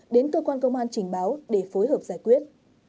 đến cơ quan công an trình báo để phối hợp giải quyết